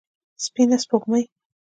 سپينه سپوږمۍ